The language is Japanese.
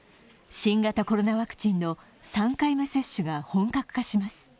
新型コロナワクチンの３回目接種が本格化します。